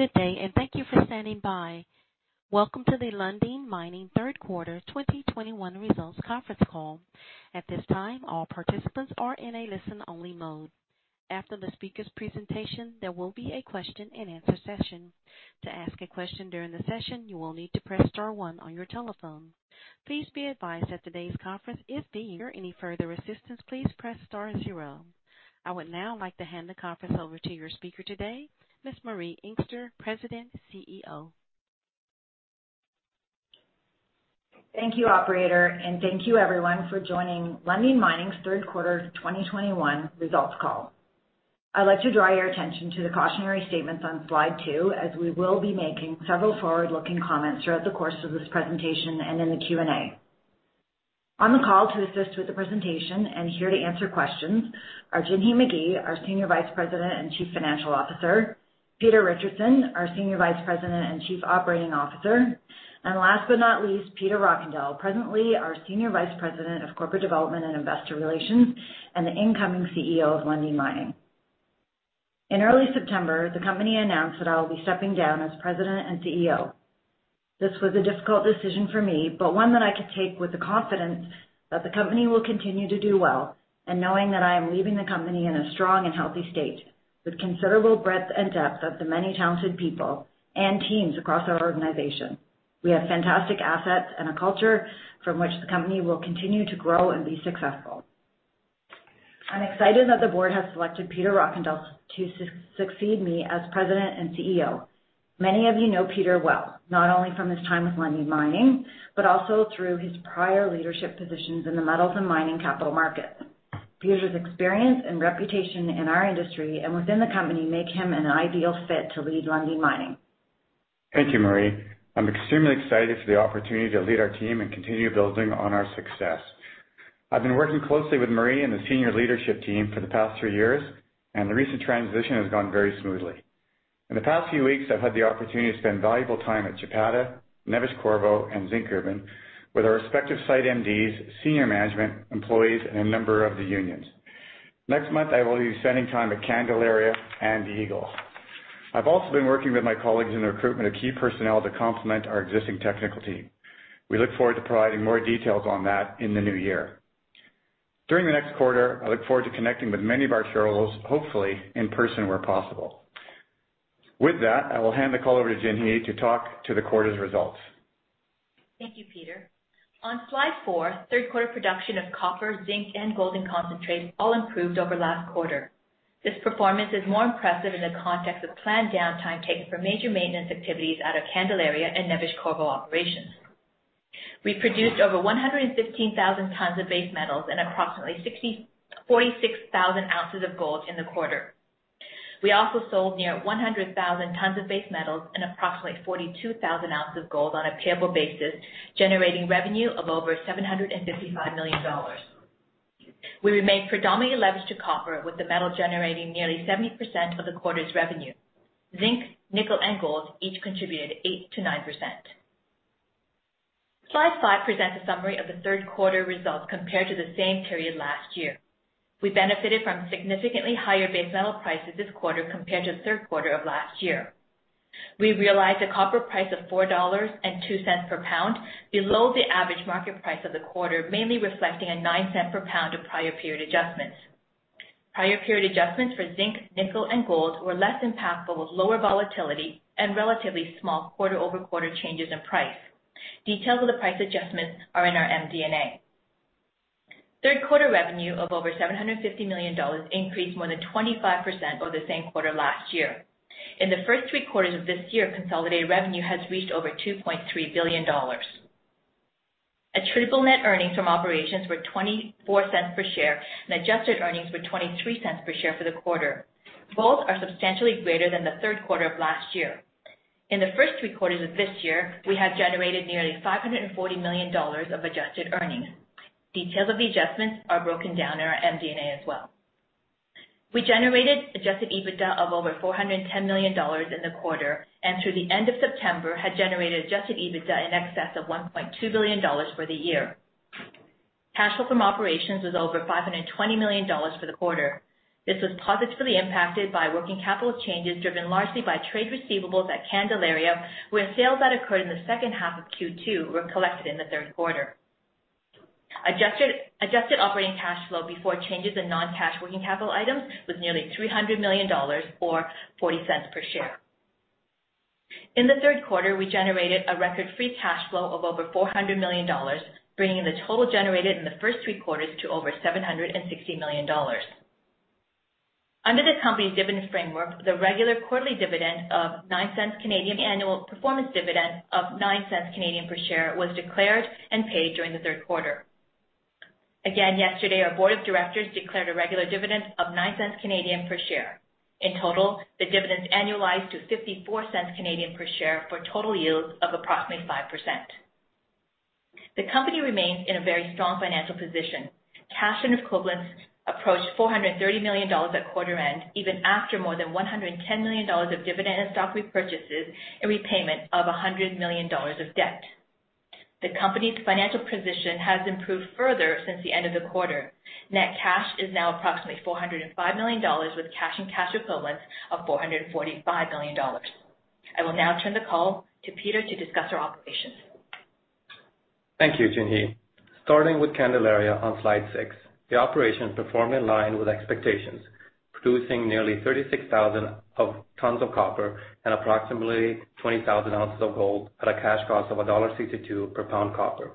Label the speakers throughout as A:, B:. A: Good day, and thank you for standing by. Welcome to the Lundin Mining third quarter 2021 results conference call. At this time, all participants are in a listen-only mode. After the speaker's presentation, there will be a question-and-answer session. To ask a question during the session, you will need to press star one on your telephone. Please be advised that today's conference. If you require any further assistance, please press star zero. I would now like to hand the conference over to your speaker today, Ms. Marie Inkster, President, CEO.
B: Thank you, Operator, and thank you everyone for joining Lundin Mining's third quarter 2021 results call. I'd like to draw your attention to the cautionary statements on slide two, as we will be making several forward-looking comments throughout the course of this presentation and in the Q&A. On the call to assist with the presentation and here to answer questions are Jinhee Magie, our Senior Vice President and Chief Financial Officer, Peter Richardson, our Senior Vice President and Chief Operating Officer, and last but not least, Peter Rockandel, presently our Senior Vice President of Corporate Development and Investor Relations and the incoming CEO of Lundin Mining. In early September, the company announced that I will be stepping down as President and CEO. This was a difficult decision for me, but one that I could take with the confidence that the company will continue to do well and knowing that I am leaving the company in a strong and healthy state with considerable breadth and depth of the many talented people and teams across our organization. We have fantastic assets and a culture from which the company will continue to grow and be successful. I'm excited that the board has selected Peter Rockandel to succeed me as President and CEO. Many of you know Peter well, not only from his time with Lundin Mining, but also through his prior leadership positions in the metals and mining capital markets. Peter's experience and reputation in our industry and within the company make him an ideal fit to lead Lundin Mining.
C: Thank you, Marie. I'm extremely excited for the opportunity to lead our team and continue building on our success. I've been working closely with Marie and the senior leadership team for the past three years, and the recent transition has gone very smoothly. In the past few weeks, I've had the opportunity to spend valuable time at Chapada, Neves-Corvo, and Zinkgruvan with our respective site MDs, senior management, employees, and a number of the unions. Next month, I will be spending time at Candelaria and Eagle. I've also been working with my colleagues in the recruitment of key personnel to complement our existing technical team. We look forward to providing more details on that in the new year. During the next quarter, I look forward to connecting with many of our shareholders, hopefully in person where possible. With that, I will hand the call over to Jinhee to talk to the quarter's results.
D: Thank you, Peter. On slide four, third quarter production of copper, zinc, and gold concentrates all improved over last quarter. This performance is more impressive in the context of planned downtime taken for major maintenance activities out of Candelaria and Neves-Corvo operations. We produced over 115,000 tons of base metals and approximately 46,000 ounces of gold in the quarter. We also sold near 100,000 tons of base metals and approximately 42,000 ounces of gold on a payable basis, generating revenue of over $755 million. We remain predominantly leveraged to copper, with the metal generating nearly 70% of the quarter's revenue. Zinc, nickel, and gold each contributed 8%-9%. Slide five presents a summary of the third quarter results compared to the same period last year. We benefited from significantly higher base metal prices this quarter compared to the third quarter of last year. We realized a copper price of $4.02 per pound, below the average market price of the quarter, mainly reflecting a $0.09 per pound of prior period adjustments. Prior period adjustments for zinc, nickel, and gold were less impactful, with lower volatility and relatively small quarter-over-quarter changes in price. Details of the price adjustments are in our MD&A. Third quarter revenue of over $750 million increased more than 25% over the same quarter last year. In the first three quarters of this year, consolidated revenue has reached over $2.3 billion. Attributable net earnings from operations were $0.24 per share, and adjusted earnings were $0.23 per share for the quarter. Both are substantially greater than the third quarter of last year. In the first three quarters of this year, we have generated nearly $540 million of adjusted earnings. Details of the adjustments are broken down in our MD&A as well. We generated adjusted EBITDA of over $410 million in the quarter, and through the end of September, had generated adjusted EBITDA in excess of $1.2 billion for the year. Cash flow from operations was over $520 million for the quarter. This was positively impacted by working capital changes, driven largely by trade receivables at Candelaria, where sales that occurred in the second half of Q2 were collected in the third quarter. Adjusted operating cash flow before changes in non-cash working capital items was nearly $300 million or $0.40 per share. In the third quarter, we generated a record free cash flow of over $400 million, bringing the total generated in the first three quarters to over $760 million. Under the company's dividend framework, the regular quarterly dividend of 0.09 annual performance dividend of 0.09 per share was declared and paid during the third quarter. Yesterday, our board of directors declared a regular dividend of 0.09 per share. In total, the dividend annualized to 0.54 per share for total yields of approximately 5%. The company remains in a very strong financial position. Cash and equivalents approached $430 million at quarter end, even after more than $110 million of dividend and stock repurchases and repayment of $100 million of debt. The company's financial position has improved further since the end of the quarter. Net cash is now approximately $405 million with cash and cash equivalents of $445 million. I will now turn the call to Peter to discuss our operations.
E: Thank you, Jinhee. Starting with Candelaria on slide six. The operation performed in line with expectations, producing nearly 36,000 tons of copper and approximately 20,000 ounces of gold at a cash cost of $1.62 per pound copper.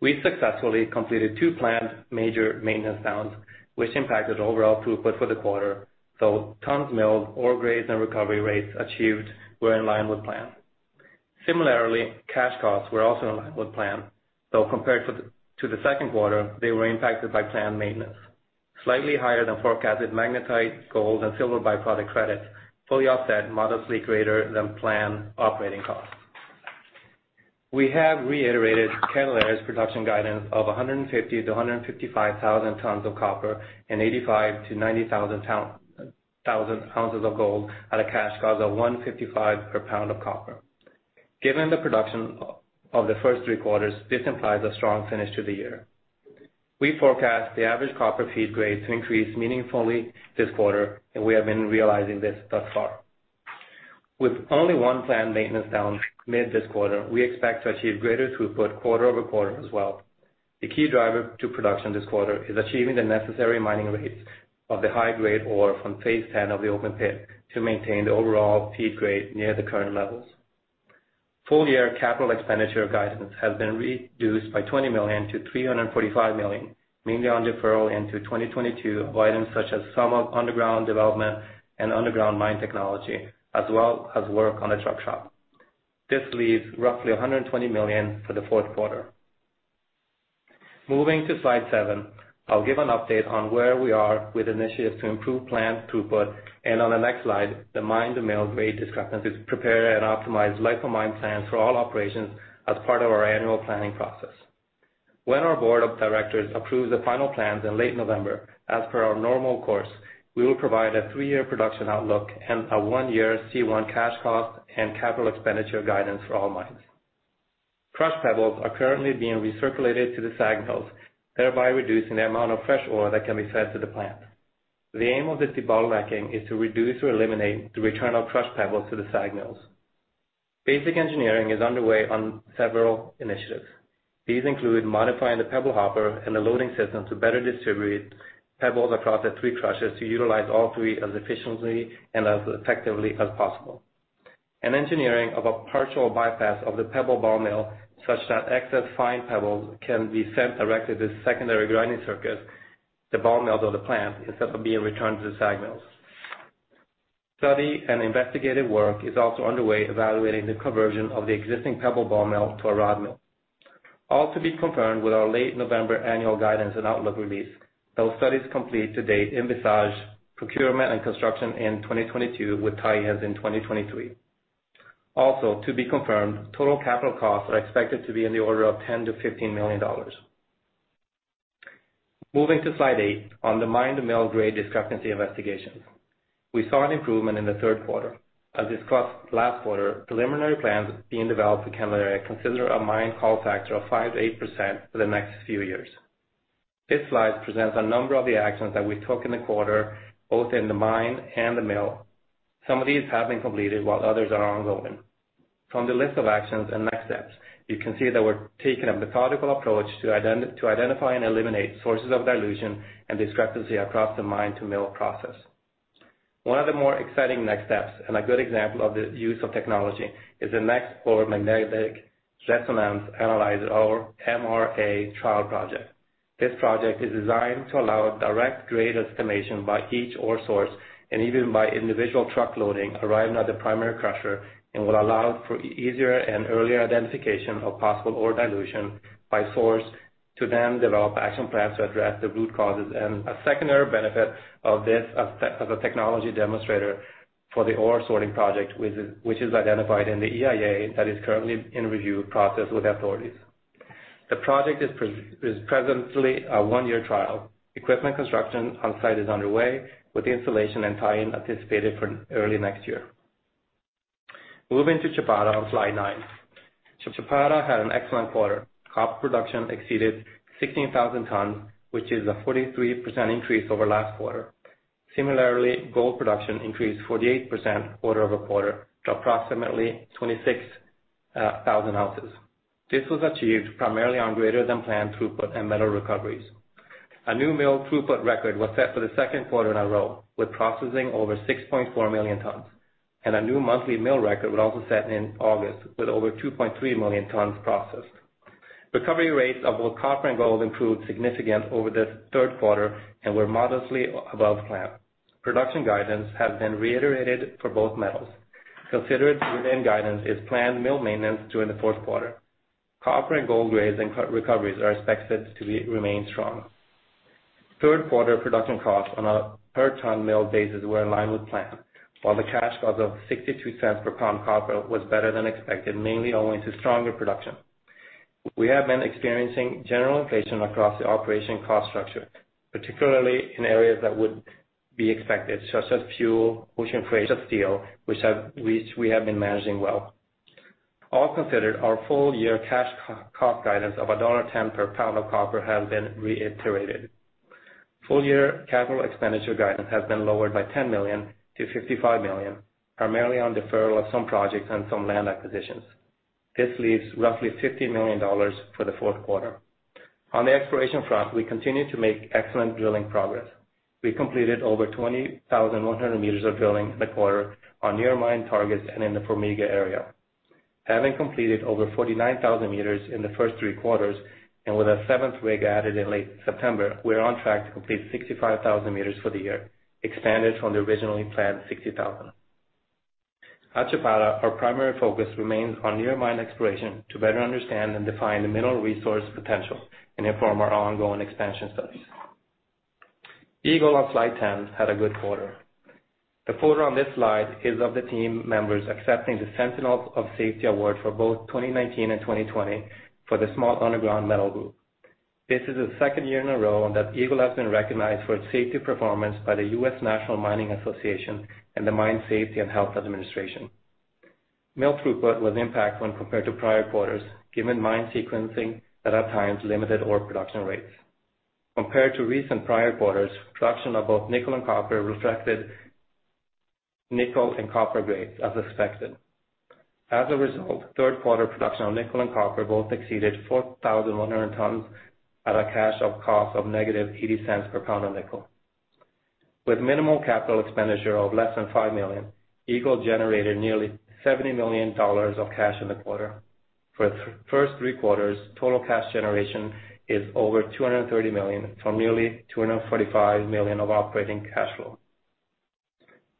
E: We successfully completed two planned major maintenance downs, which impacted overall throughput for the quarter, so tons milled, ore grades, and recovery rates achieved were in line with plan. Similarly, cash costs were also in line with plan, though compared to the second quarter, they were impacted by planned maintenance. Slightly higher than forecasted magnetite, gold, and silver by-product credit fully offset modestly greater than planned operating costs. We have reiterated Candelaria's production guidance of 150,000 tons-155,000 tons of copper and 85,000 ounces-90,000 ounces of gold at a cash cost of $1.55 per pound of copper. Given the production of the first three quarters, this implies a strong finish to the year. We forecast the average copper feed grade to increase meaningfully this quarter, and we have been realizing this thus far. With only one planned maintenance downtime this quarter, we expect to achieve greater throughput quarter-over-quarter as well. The key driver to production this quarter is achieving the necessary mining rates of the high grade ore from phase 10 of the open pit to maintain the overall feed grade near the current levels. Full year capital expenditure guidance has been reduced by $20 million to $345 million, mainly on deferral into 2022 of items such as some of underground development and underground mine technology, as well as work on the truck shop. This leaves roughly $120 million for the fourth quarter. Moving to slide seven, I'll give an update on where we are with initiatives to improve planned throughput, and on the next slide the mine-to-mill grade discrepancies. We prepare and optimize life of mine plans for all operations as part of our annual planning process. When our board of directors approves the final plans in late November, as per our normal course, we will provide a three-year production outlook and a one-year C1 cash cost and capital expenditure guidance for all mines. Crushed pebbles are currently being recirculated to the SAG mills, thereby reducing the amount of fresh ore that can be fed to the plant. The aim of this debottlenecking is to reduce or eliminate the return of crushed pebbles to the SAG mills. Basic engineering is underway on several initiatives. These include modifying the pebble hopper and the loading system to better distribute pebbles across the three crushers to utilize all three as efficiently and as effectively as possible, and engineering of a partial bypass of the pebble ball mill such that excess fine pebbles can be sent directly to the secondary grinding circuit, the ball mills of the plant, instead of being returned to the SAG mills. Study and investigative work is also underway evaluating the conversion of the existing pebble ball mill to a rod mill. All to be confirmed with our late November annual guidance and outlook release. Those studies complete to date envisage procurement and construction in 2022, with tie-ins in 2023. Also to be confirmed, total capital costs are expected to be in the order of $10 million-$15 million. Moving to slide eight on the mine-to-mill grade discrepancy investigation. We saw an improvement in the third quarter. As discussed last quarter, preliminary plans being developed at Candelaria consider a mine pull factor of 5%-8% for the next few years. This slide presents a number of the actions that we took in the quarter, both in the mine and the mill. Some of these have been completed while others are ongoing. From the list of actions and next steps, you can see that we're taking a methodical approach to identify and eliminate sources of dilution and discrepancy across the mine-to-mill process. One of the more exciting next steps, and a good example of the use of technology, is the NextOre magnetic resonance analyzer, our MRA trial project. This project is designed to allow direct grade estimation by each ore source and even by individual truck loading arriving at the primary crusher and will allow for easier and earlier identification of possible ore dilution by source to then develop action plans to address the root causes. A secondary benefit of this as a technology demonstrator for the ore sorting project, which is identified in the EIA that is currently in review process with authorities. The project is presently a one-year trial. Equipment construction on-site is underway with installation and tie-in anticipated for early next year. Moving to Chapada on slide nine. Chapada had an excellent quarter. Copper production exceeded 16,000 tons, which is a 43% increase over last quarter. Similarly, gold production increased 48% quarter over quarter to approximately 26,000 ounces. This was achieved primarily on greater than planned throughput and metal recoveries. A new mill throughput record was set for the second quarter in a row with processing over 6.4 million tons, and a new monthly mill record was also set in August with over 2.3 million tons processed. Recovery rates of both copper and gold improved significantly over the third quarter and were modestly above plan. Production guidance has been reiterated for both metals. Considered within guidance is planned mill maintenance during the fourth quarter. Copper and gold grades and co-recoveries are expected to remain strong. Third quarter production costs on a per ton milled basis were in line with plan, while the cash cost of $0.62 per pound copper was better than expected, mainly owing to stronger production. We have been experiencing general inflation across the operation cost structure, particularly in areas that would be expected, such as fuel, ocean freight of steel, which we have been managing well. All considered, our full year cash cost guidance of $1.10 per pound of copper has been reiterated. Full year capital expenditure guidance has been lowered by $10 million to $55 million, primarily on deferral of some projects and some land acquisitions. This leaves roughly $50 million for the fourth quarter. On the exploration front, we continue to make excellent drilling progress. We completed over 20,100 meters of drilling in the quarter on near mine targets and in the Formiga area. Having completed over 49,000 meters in the first three quarters, and with a seventh rig added in late September, we are on track to complete 65,000 meters for the year, expanded from the originally planned 60,000. At Chapada, our primary focus remains on near mine exploration to better understand and define the mineral resource potential and inform our ongoing expansion studies. Eagle, on slide 10, had a good quarter. The photo on this slide is of the team members accepting the Sentinels of Safety Award for both 2019 and 2020 for the Small Underground Metal. This is the second year in a row that Eagle has been recognized for its safety performance by the National Mining Association and the Mine Safety and Health Administration. Mill throughput was impacted when compared to prior quarters, given mine sequencing that at times limited ore production rates. Compared to recent prior quarters, production of both nickel and copper reflected nickel and copper grades as expected. As a result, third quarter production of nickel and copper both exceeded 4,100 tons at a C1 cash cost of negative $0.80 per pound of nickel. With minimal capital expenditure of less than $5 million, Eagle generated nearly $70 million of cash in the quarter. For the first three quarters, total cash generation is over $230 million, from nearly $245 million of operating cash flow.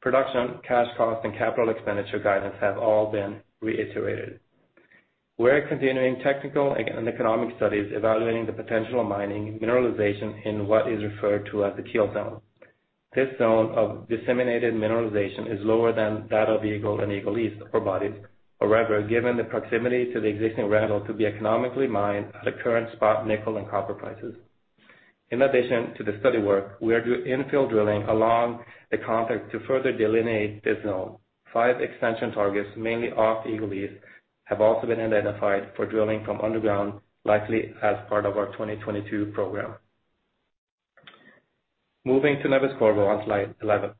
E: Production, cash cost, and capital expenditure guidance have all been reiterated. We're continuing technical and economic studies evaluating the potential mining mineralization in what is referred to as the keel zone. This zone of disseminated mineralization is lower than that of Eagle and Eagle East ore bodies. However, given the proximity to the existing ramp, it could be economically mined at the current spot nickel and copper prices. In addition to the study work, we are doing infill drilling along the contact to further delineate this zone. Five extension targets, mainly off Eagle East, have also been identified for drilling from underground, likely as part of our 2022 program. Moving to Neves-Corvo on slide 11.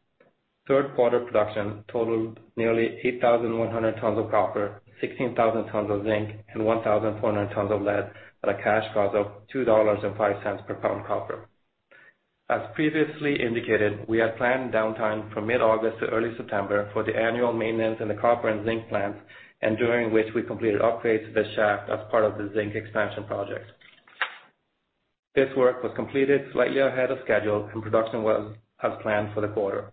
E: Third quarter production totaled nearly 8,100 tons of copper, 16,000 tons of zinc, and 1,400 tons of lead at a cash cost of $2.05 per pound copper. As previously indicated, we had planned downtime from mid-August to early September for the annual maintenance in the copper and zinc plants, and during which we completed upgrades to the shaft as part of the zinc expansion project. This work was completed slightly ahead of schedule and production was as planned for the quarter.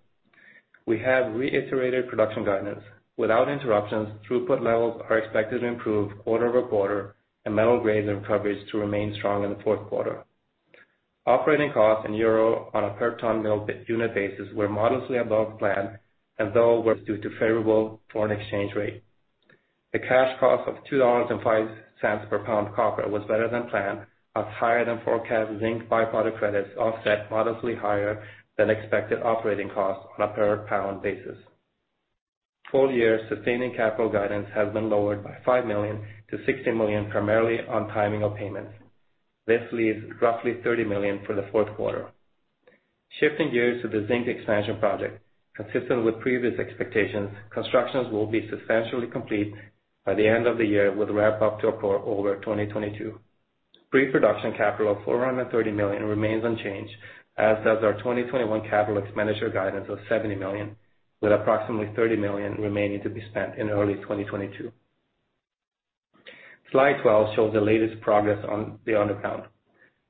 E: We have reiterated production guidance. Without interruptions, throughput levels are expected to improve quarter-over-quarter and metal grades and recoveries to remain strong in the fourth quarter. Operating costs in euro on a per ton mill unit basis were modestly above plan and though were due to favorable foreign exchange rate. The cash cost of $2.05 per pound copper was better than planned as higher than forecast zinc byproduct credits offset modestly higher than expected operating costs on a per pound basis. Full-year sustaining capital guidance has been lowered by $5 million to $60 million, primarily on timing of payments. This leaves roughly $30 million for the fourth quarter. Shifting gears to the zinc expansion project. Consistent with previous expectations, construction will be substantially complete by the end of the year, with ramp up to occur over 2022. Pre-production capital of $430 million remains unchanged, as does our 2021 capital expenditure guidance of $70 million, with approximately $30 million remaining to be spent in early 2022. Slide 12 shows the latest progress on the underground.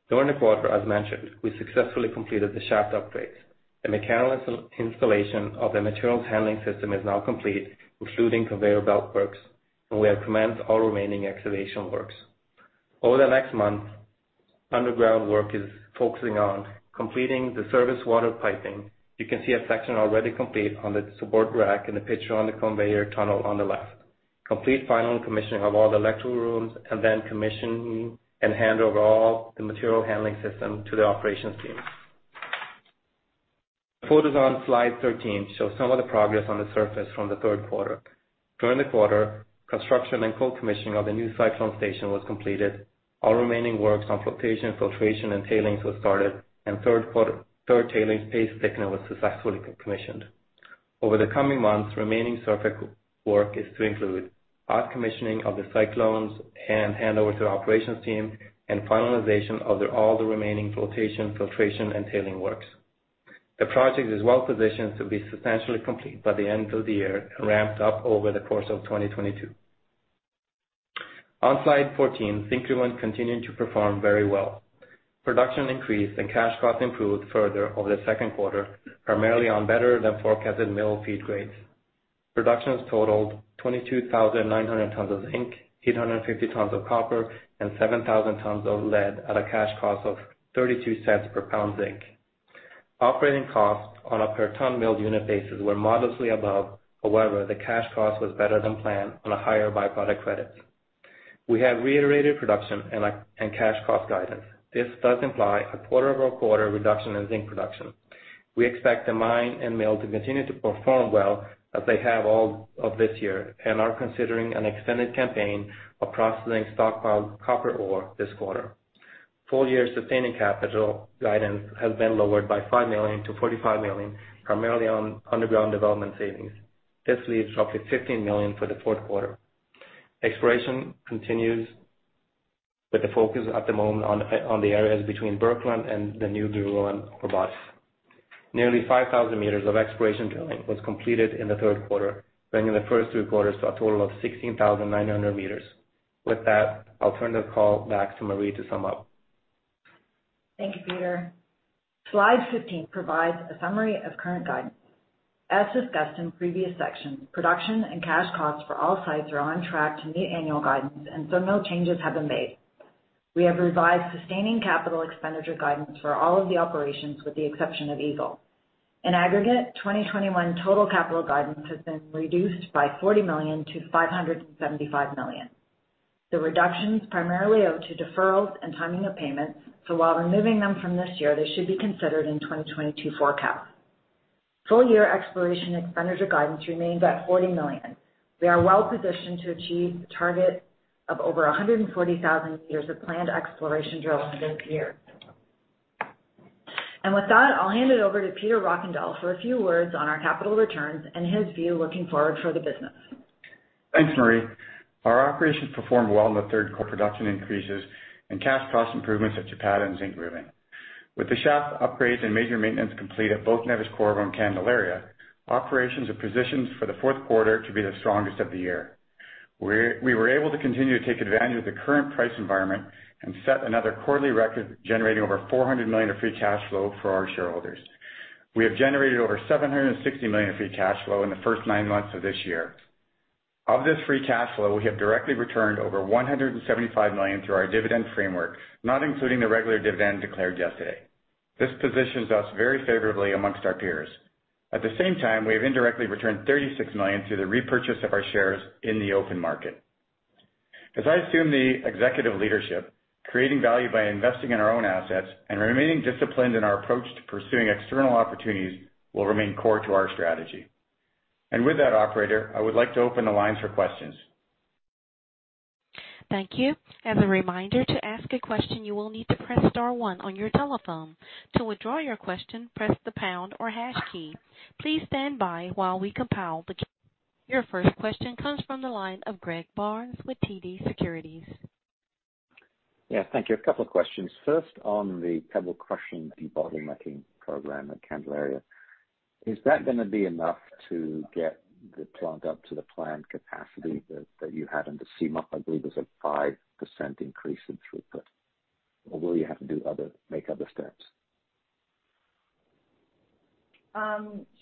E: During the quarter, as mentioned, we successfully completed the shaft upgrades. The mechanical installation of the materials handling system is now complete, including conveyor belt works, and we have commenced all remaining excavation works. Over the next month, underground work is focusing on completing the service water piping. You can see a section already complete on the support rack in the picture on the conveyor tunnel on the left. Complete final commissioning of all the electrical rooms, and then commissioning and hand over all the material handling system to the operations team. The photos on slide 13 show some of the progress on the surface from the third quarter. During the quarter, construction and cold commissioning of the new cyclone station was completed. All remaining works on flotation, filtration and tailings was started and third tailings paste thickener was successfully commissioned. Over the coming months, remaining surface work is to include hot commissioning of the cyclones and handover to operations team and finalization of the remaining flotation, filtration and tailing works. The project is well positioned to be substantially complete by the end of the year, ramped up over the course of 2022. On slide 14, Zinkgruvan continued to perform very well. Production increased and cash cost improved further over the second quarter, primarily on better than forecasted mill feed grades. Production has totaled 22,900 tons of zinc, 850 tons of copper, and 7,000 tons of lead at a cash cost of $0.32 per pound zinc. Operating costs on a per ton mill unit basis were modestly above. However, the cash cost was better than planned on a higher byproduct credit. We have reiterated production and cash cost guidance. This does imply a quarter-over-quarter reduction in zinc production. We expect the mine and mill to continue to perform well as they have all of this year and are considering an extended campaign of processing stockpiled copper ore this quarter. Full year sustaining capital guidance has been lowered by $5 million to $45 million, primarily on underground development savings. This leaves roughly $15 million for the fourth quarter. Exploration continues with the focus at the moment on the areas between Burkland and the Nygruvan. Nearly 5,000 meters of exploration drilling was completed in the third quarter, bringing the first two quarters to a total of 16,900 meters. With that, I'll turn the call back to Marie to sum up.
B: Thank you, Peter. Slide 15 provides a summary of current guidance. As discussed in previous sections, production and cash costs for all sites are on track to meet annual guidance, and so no changes have been made. We have revised sustaining capital expenditure guidance for all of the operations with the exception of Eagle. In aggregate, 2021 total capital guidance has been reduced by $40 million to $575 million. The reduction is primarily owed to deferrals and timing of payments. While removing them from this year, they should be considered in 2022 forecast. Full year exploration expenditure guidance remains at $40 million. We are well positioned to achieve the target of over 140,000 meters of planned exploration drilling this year. With that, I'll hand it over to Peter Rockandel for a few words on our capital returns and his view looking forward for the business.
C: Thanks, Marie. Our operations performed well in the third quarter with production increases and cash cost improvements at Chapada and Zinkgruvan. With the shaft upgrades and major maintenance complete at both Neves-Corvo and Candelaria, operations are positioned for the fourth quarter to be the strongest of the year. We were able to continue to take advantage of the current price environment and set another quarterly record, generating over $400 million of free cash flow for our shareholders. We have generated over $760 million of free cash flow in the first nine months of this year. Of this free cash flow, we have directly returned over $175 million through our dividend framework, not including the regular dividend declared yesterday. This positions us very favorably among our peers. At the same time, we have indirectly returned $36 million through the repurchase of our shares in the open market. As I assume the executive leadership, creating value by investing in our own assets and remaining disciplined in our approach to pursuing external opportunities will remain core to our strategy. With that, operator, I would like to open the lines for questions.
A: Thank you. As a reminder, to ask a question, you will need to press star one on your telephone. To withdraw your question, press the pound or hash key. Your first question comes from the line of Greg Barnes with TD Securities.
F: Yeah, thank you. A couple of questions. First, on the pebble crushing debottlenecking program at Candelaria, is that gonna be enough to get the plant up to the planned capacity that you had under CMOP? I believe it's a 5% increase in throughput. Or will you have to make other steps?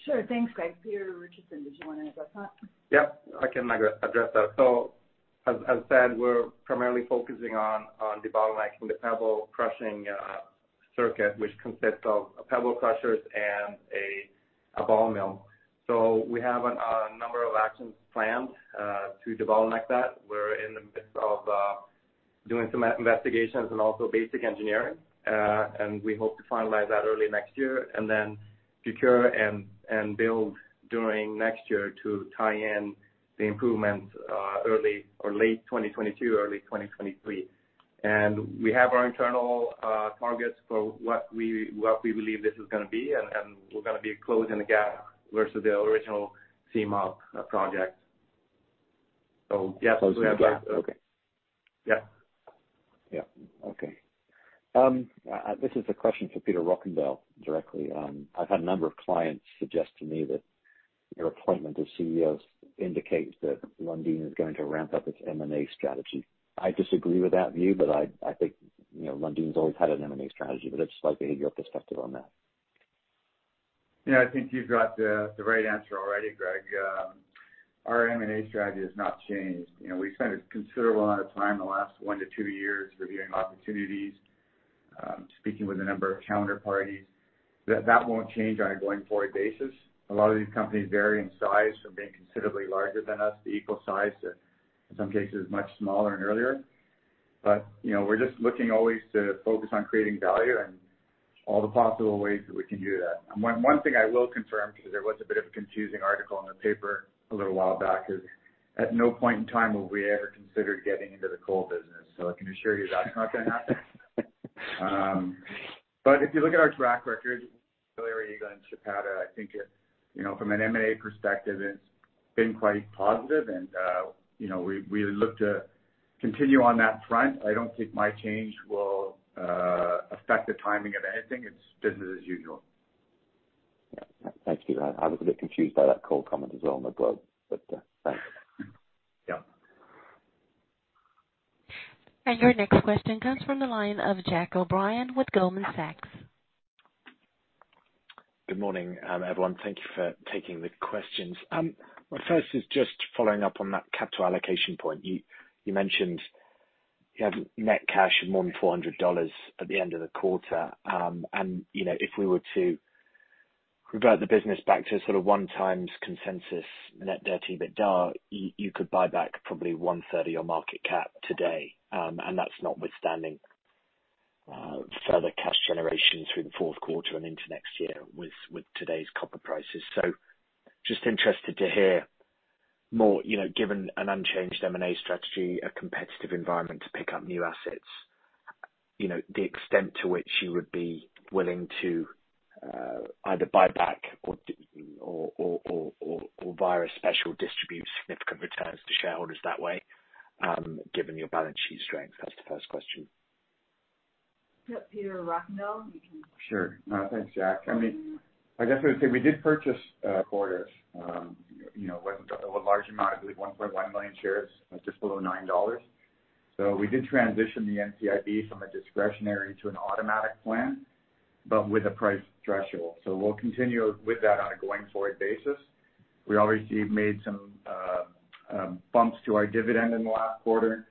B: Sure. Thanks, Greg. Peter Richardson, did you wanna address that?
E: Yeah, I can address that. As said, we're primarily focusing on debottlenecking the pebble crushing circuit, which consists of pebble crushers and a ball mill. We have a number of actions planned to debottleneck that. We're in the midst of doing some investigations and also basic engineering. We hope to finalize that early next year and then procure and build during next year to tie in the improvements early or late 2022, early 2023. We have our internal targets for what we believe this is gonna be, and we're gonna be closing the gap versus the original CMOP project. Yes, we have that.
F: Okay.
E: Yeah.
F: This is a question for Peter Rockandel directly. I've had a number of clients suggest to me that your appointment as CEO indicates that Lundin is going to ramp up its M&A strategy. I disagree with that view, but I think, you know, Lundin's always had an M&A strategy, but I'd just like to hear your perspective on that.
C: Yeah. I think you've got the right answer already, Greg. Our M&A strategy has not changed. You know, we've spent a considerable amount of time in the last one-two years reviewing opportunities, speaking with a number of counterparties. That won't change on a going-forward basis. A lot of these companies vary in size from being considerably larger than us to equal size to, in some cases, much smaller and earlier. But, you know, we're just looking always to focus on creating value and all the possible ways that we can do that. One thing I will confirm, because there was a bit of a confusing article in the paper a little while back, is at no point in time will we ever consider getting into the coal business. So I can assure you that's not gonna happen. If you look at our track record, Candelaria, Eagle and Chapada, I think it, you know, from an M&A perspective, it's been quite positive and, you know, we look to continue on that front. I don't think my change will affect the timing of anything. It's business as usual.
F: Yeah. Thank you. I was a bit confused by that coal comment as well in the globe, but thanks.
C: Yeah.
A: Your next question comes from the line of Jack O'Brien with Goldman Sachs.
G: Good morning, everyone. Thank you for taking the questions. My first is just following up on that capital allocation point. You mentioned you had net cash of more than $400 million at the end of the quarter. You know, if we were to re-rate the business back to sort of 1x consensus net debt EBITDA, you could buy back probably 1/3 of your market cap today. That's notwithstanding further cash generation through the fourth quarter and into next year with today's copper prices. Just interested to hear more, you know, given an unchanged M&A strategy, a competitive environment to pick up new assets, you know, the extent to which you would be willing to either buy back or via special dividend significant returns to shareholders that way, given your balance sheet strength. That's the first question.
D: Yeah. Peter Rockandel, you can-
C: Sure. No, thanks, Jack. I mean, I guess I would say we did purchase. You know, it wasn't a large amount, I believe 1.1 million shares at just below $9. We did transition the NCIB from a discretionary to an automatic plan, but with a price threshold. We'll continue with that on a going forward basis. We already made some bumps to our dividend in the last quarter,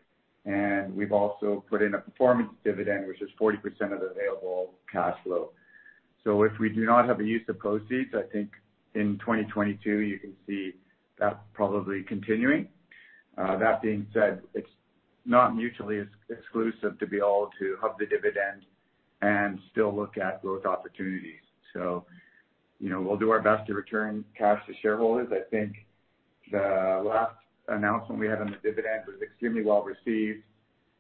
C: and we've also put in a performance dividend, which is 40% of the available cash flow. If we do not have a use of proceeds, I think in 2022 you can see that probably continuing. That being said, it's not mutually exclusive to be able to up the dividend and still look at growth opportunities. You know, we'll do our best to return cash to shareholders. I think the last announcement we had on the dividend was extremely well received.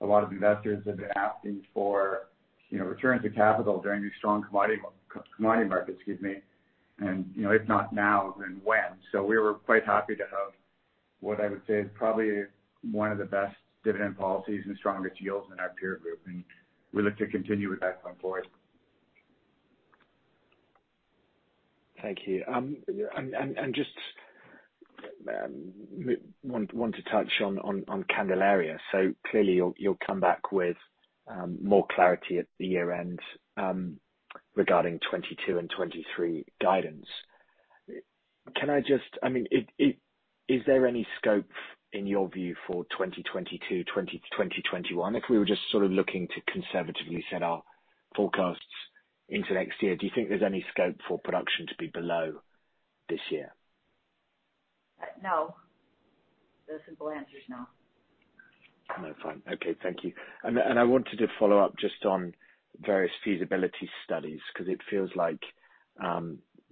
C: A lot of investors have been asking for, you know, returns of capital during these strong commodity markets, excuse me, and you know, if not now, then when? We were quite happy to have what I would say is probably one of the best dividend policies and strongest yields in our peer group, and we look to continue with that going forward.
G: Thank you. Just want to touch on Candelaria. Clearly you'll come back with more clarity at the year end regarding 2022 and 2023 guidance. Can I just I mean, it Is there any scope in your view for 2022, 2021? If we were just sort of looking to conservatively set our forecasts into next year, do you think there's any scope for production to be below this year?
D: No. The simple answer is no.
G: No. Fine. Okay. Thank you. I wanted to follow up just on various feasibility studies, 'cause it feels like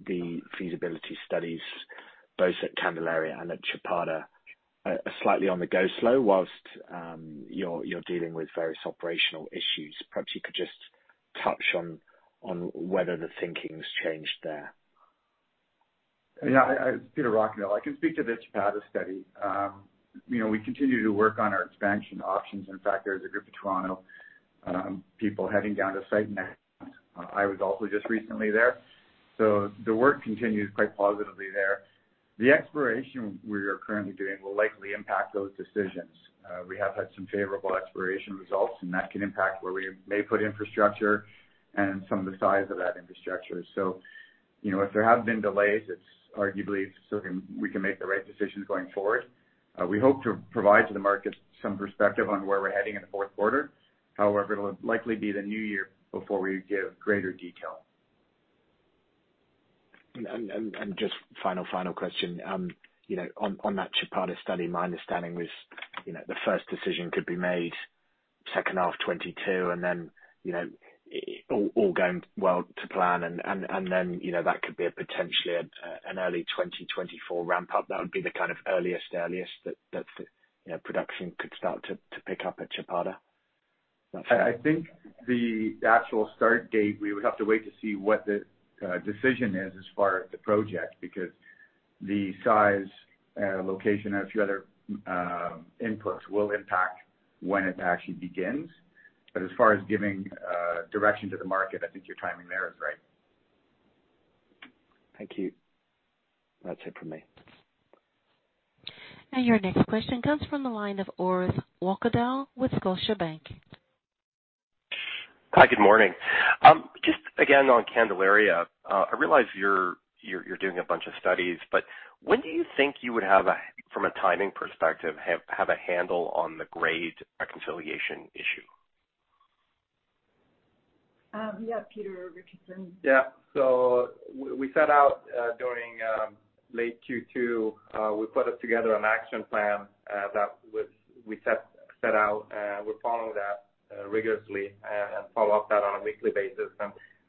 G: the feasibility studies both at Candelaria and at Chapada are slightly on the go slow whilst you're dealing with various operational issues. Perhaps you could just touch on whether the thinking's changed there.
C: Peter Rockandel. I can speak to the Chapada study. You know, we continue to work on our expansion options. In fact, there's a group of Toronto people heading down to site next month. I was also just recently there. The work continues quite positively there. The exploration we are currently doing will likely impact those decisions. We have had some favorable exploration results and that can impact where we may put infrastructure and some of the size of that infrastructure. You know, if there have been delays, it's arguably we can make the right decisions going forward. We hope to provide to the market some perspective on where we're heading in the fourth quarter. However, it'll likely be the new year before we give greater detail.
G: Final question. You know, on that Chapada study, my understanding was, you know, the first decision could be made second half 2022 and then, you know, all going well to plan and then, you know, that could be potentially an early 2024 ramp up. That would be the kind of earliest that, you know, production could start to pick up at Chapada.
C: I think the actual start date, we would have to wait to see what the decision is as far as the project, because the size, location and a few other inputs will impact when it actually begins. As far as giving direction to the market, I think your timing there is right.
G: Thank you. That's it for me.
A: Your next question comes from the line of Orest Wowkodaw with Scotiabank.
H: Hi, good morning. Just again on Candelaria. I realize you're doing a bunch of studies, but when do you think you would have, from a timing perspective, a handle on the grade reconciliation issue?
D: Yeah. Peter Richardson.
E: Yeah. We set out during late Q2. We put together an action plan. We're following that rigorously and follow up on that on a weekly basis.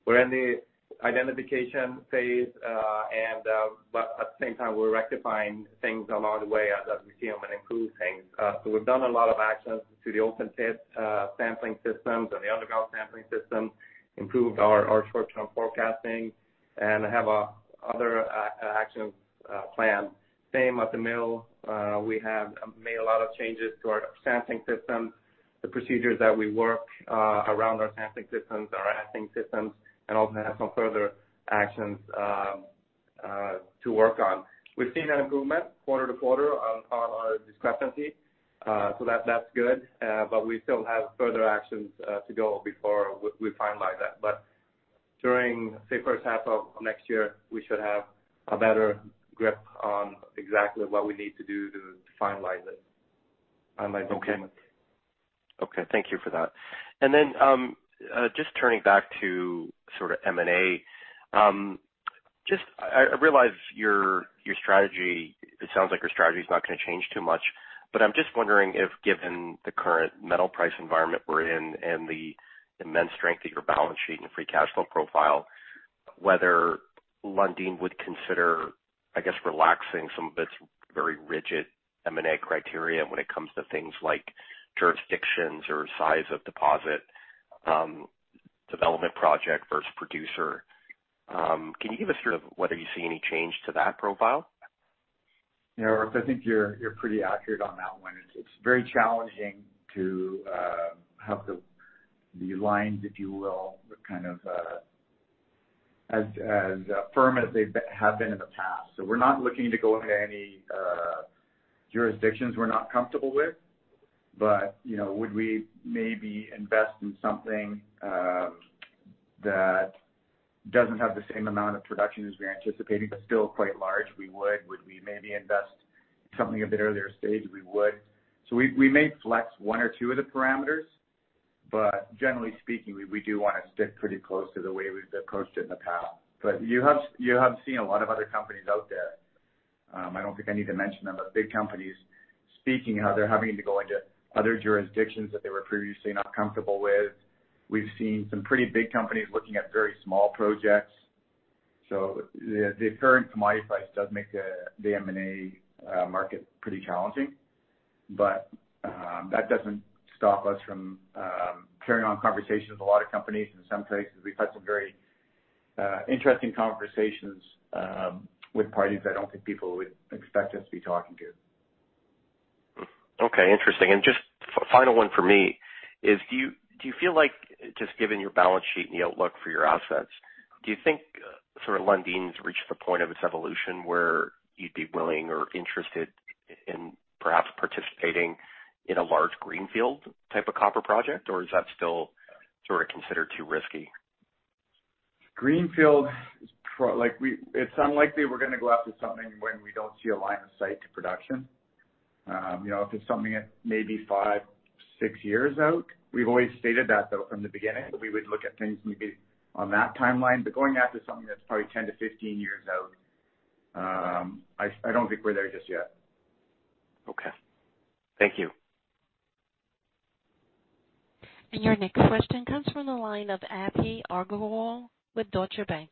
E: We're in the identification phase, but at the same time we're rectifying things along the way as we see them and improve things. We've done a lot of actions to the open pit sampling systems and the underground sampling systems, improved our short-term forecasting and have another action plan. Same at the mill. We have made a lot of changes to our sampling systems, the procedures that we work around our sampling systems, our assaying systems, and also have some further actions to work on. We've seen an improvement quarter-over-quarter on our discrepancy. That's good. We still have further actions to go before we finalize that. During, say, first half of next year, we should have a better grip on exactly what we need to do to finalize it.
H: Thank you for that. Just turning back to sort of M&A, just I realize your strategy, it sounds like your strategy is not gonna change too much, but I'm just wondering if given the current metal price environment we're in and the immense strength of your balance sheet and free cash flow profile, whether Lundin would consider, I guess, relaxing some of its very rigid M&A criteria when it comes to things like jurisdictions or size of deposit, development project versus producer. Can you give us sort of whether you see any change to that profile?
C: You know, Orest, I think you're pretty accurate on that one. It's very challenging to have the lines, if you will, kind of, as firm as they've been in the past. We're not looking to go into any jurisdictions we're not comfortable with. You know, would we maybe invest in something that doesn't have the same amount of production as we're anticipating, but still quite large? We would. Would we maybe invest in something a bit earlier stage? We would. We may flex one or two of the parameters, but generally speaking, we do wanna stick pretty close to the way we've approached it in the past. You have seen a lot of other companies out there. I don't think I need to mention them, but big companies speaking how they're having to go into other jurisdictions that they were previously not comfortable with. We've seen some pretty big companies looking at very small projects. The current commodity price does make the M&A market pretty challenging. That doesn't stop us from carrying on conversations with a lot of companies. In some cases, we've had some very interesting conversations with parties I don't think people would expect us to be talking to.
H: Okay, interesting. Just final one for me is do you feel like, just given your balance sheet and the outlook for your assets, do you think sort of Lundin's reached the point of its evolution where you'd be willing or interested in perhaps participating in a large greenfield type of copper project, or is that still sort of considered too risky?
C: It's unlikely we're gonna go after something when we don't see a line of sight to production. You know, if it's something that may be five, six years out, we've always stated that, though, from the beginning, that we would look at things maybe on that timeline. Going after something that's probably 10-15 years out, I don't think we're there just yet.
H: Okay. Thank you.
A: Your next question comes from the line of Abhi Agarwal with Deutsche Bank.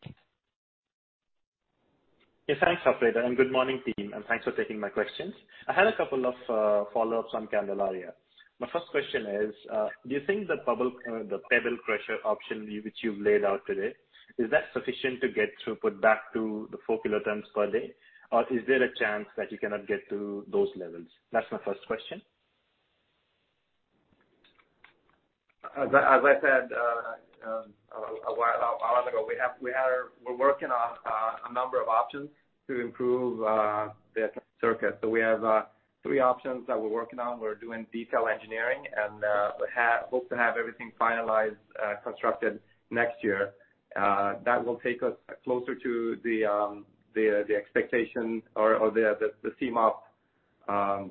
I: Yeah, thanks, operator, and good morning, team, and thanks for taking my questions. I had a couple of follow-ups on Candelaria. My first question is, do you think the pebble crusher option which you've laid out today, is that sufficient to get throughput back to the 4 kilotons per day, or is there a chance that you cannot get to those levels? That's my first question.
E: As I said a while ago, we're working on a number of options to improve the circuit. We have three options that we're working on. We're doing detailed engineering and hope to have everything finalized, constructed next year. That will take us closer to the expectation or the CMOP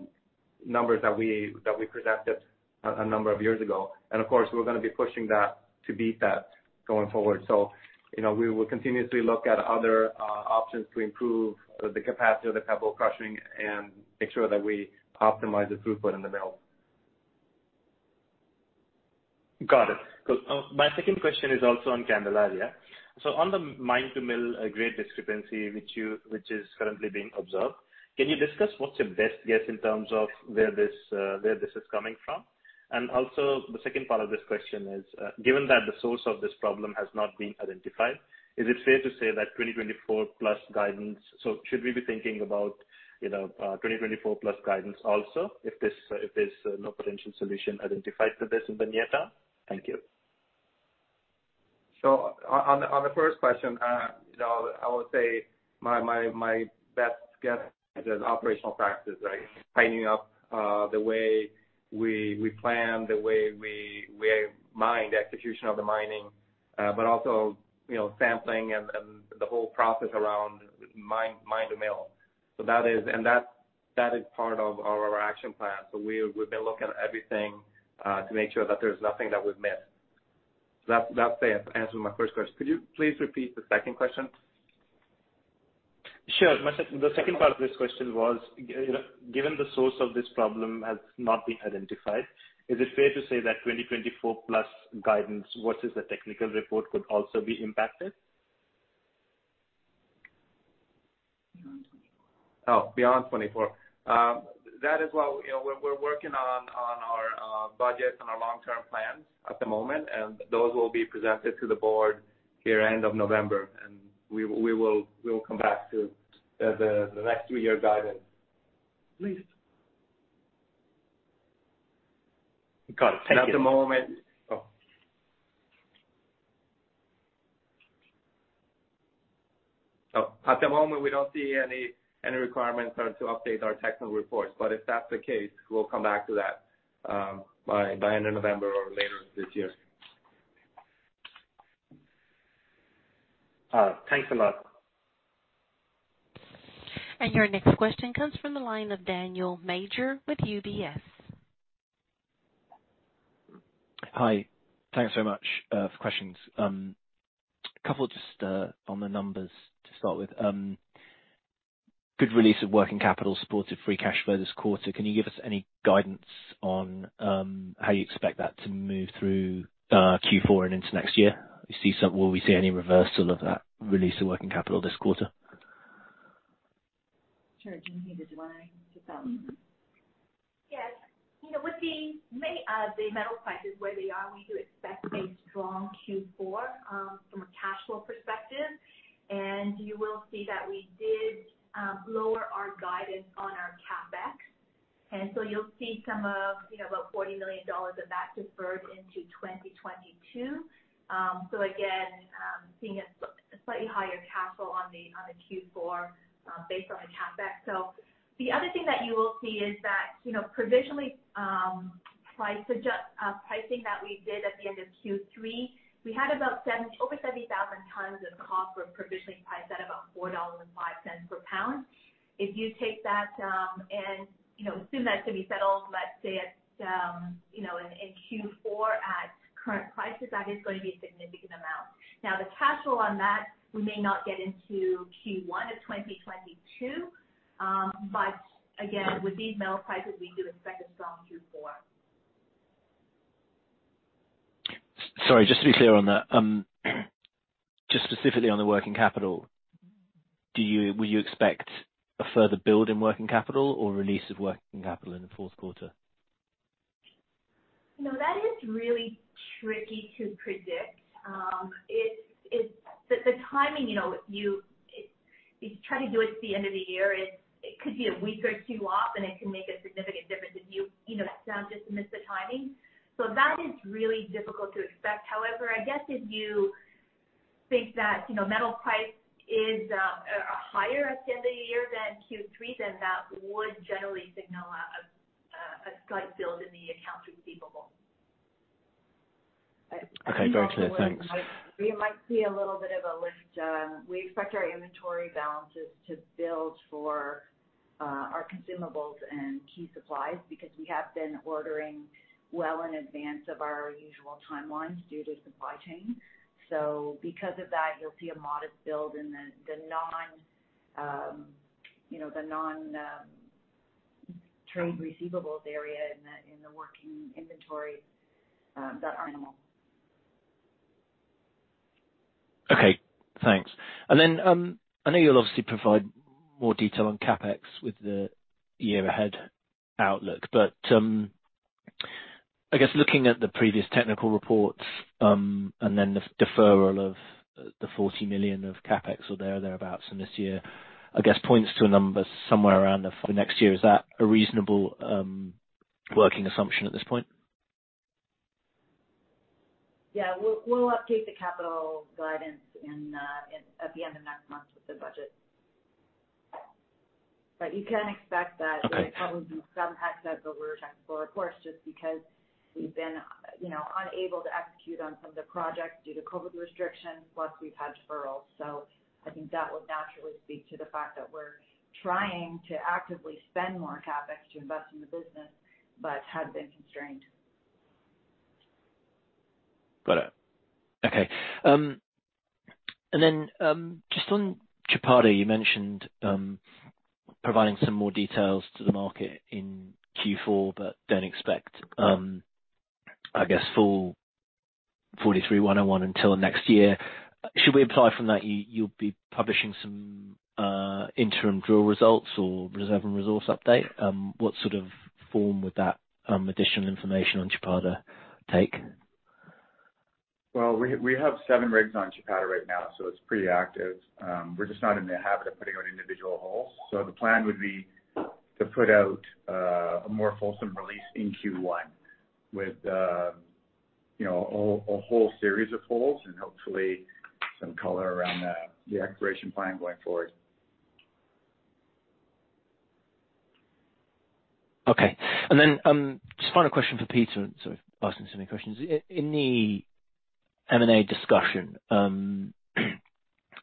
E: numbers that we presented a number of years ago. Of course, we're gonna be pushing that to beat that going forward. You know, we will continuously look at other options to improve the capacity of the pebble crushing and make sure that we optimize the throughput in the mill.
I: Got it. My second question is also on Candelaria. On the mine-to-mill grade discrepancy, which is currently being observed, can you discuss what's your best guess in terms of where this is coming from? The second part of this question is, given that the source of this problem has not been identified, is it fair to say that 2024+ guidance? Should we be thinking about, you know, 2024+ guidance also if there's no potential solution identified for this in Candelaria? Thank you.
E: On the first question, you know, I would say my best guess is there's operational practices, right? Tidying up the way we plan, the way we mine, the execution of the mining, but also, you know, sampling and the whole process around mine to mill. That is part of our action plan. We've been looking at everything to make sure that there's nothing that we've missed. That's the answer to my first question. Could you please repeat the second question?
I: Sure. The second part of this question was, given the source of this problem has not been identified, is it fair to say that 2024 plus guidance versus the technical report could also be impacted?
E: Oh, beyond 2024. That is what, you know, we're working on our budget and our long-term plans at the moment, and those will be presented to the board here end of November. We will come back to the next three-year guidance.
B: Please.
E: Got it. Thank you. At the moment we don't see any requirements or to update our technical reports. If that's the case, we'll come back to that by end of November or later this year.
I: Thanks a lot.
A: Your next question comes from the line of Daniel Major with UBS.
J: Hi. Thanks so much for questions. A couple just on the numbers to start with. Good release of working capital supported free cash flow this quarter. Can you give us any guidance on how you expect that to move through Q4 and into next year? Will we see any reversal of that release of working capital this quarter?
D: Sure. Do you wanna kick off? Yes. You know, with the metal prices where they are, we do expect a strong Q4 from a cash flow perspective. You will see that we did lower our guidance on our CapEx. You'll see some of, you know, about $40 million of that deferred into 2022. Again, seeing a slightly higher cash flow on the Q4 based on the CapEx. The other thing that you will see is that, you know, provisionally, pricing that we did at the end of Q3, we had about over 70,000 tons of copper provisionally priced at about $4.05 per pound. If you take that, and you know, assume that to be settled, let's say at you know, in Q4 at current prices, that is going to be a significant amount. Now, the cash flow on that, we may not get into Q1 of 2022. Again, with these metal prices, we do expect a strong Q4.
J: Sorry, just to be clear on that, just specifically on the working capital, will you expect a further build in working capital or release of working capital in the fourth quarter?
D: You know, that is really tricky to predict. It's the timing, you know, if you try to do it at the end of the year, it could be a week or two off, and it can make a significant difference if you know, sound just to miss the timing. That is really difficult to expect. However, I guess if you think that, you know, metal price is higher at the end of the year than Q3, then that would generally signal a slight build in the accounts receivable.
J: Okay, great. Thanks.
D: We might see a little bit of a lift. We expect our inventory balances to build for our consumables and key supplies because we have been ordering well in advance of our usual timelines due to supply chain. Because of that, you'll see a modest build in the non-trade receivables area in the working inventory that are normal.
J: Okay. Thanks. I know you'll obviously provide more detail on CapEx with the year ahead outlook. I guess looking at the previous technical reports, and then the deferral of the $40 million of CapEx or thereabouts in this year, I guess, points to a number somewhere around the next year. Is that a reasonable working assumption at this point?
D: Yeah. We'll update the capital guidance in at the end of next month with the budget. You can expect that-
J: Okay.
D: There'll probably be some CapEx overage. Of course, just because we've been, you know, unable to execute on some of the projects due to COVID restrictions, plus we've had deferrals. I think that will naturally speak to the fact that we're trying to actively spend more CapEx to invest in the business but have been constrained.
J: Got it. Okay. Just on Chapada, you mentioned providing some more details to the market in Q4, but don't expect, I guess, full 43-101 until next year. Should we imply from that you'll be publishing some, interim drill results or reserve and resource update? What sort of form would that, additional information on Chapada take?
E: We have seven rigs on Chapada right now, so it's pretty active. We're just not in the habit of putting out individual holes. The plan would be to put out a more fulsome release in Q1 with, you know, a whole series of holes and hopefully some color around the exploration plan going forward.
J: Okay. Just final question for Peter. Sorry for asking so many questions. In the M&A discussion,